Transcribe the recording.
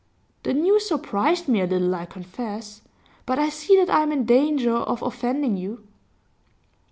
'The news surprised me a little, I confess. But I see that I am in danger of offending you.